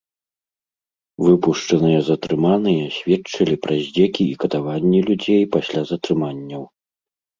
Выпушчаныя затрыманыя сведчылі пра здзекі і катаванні людзей пасля затрыманняў.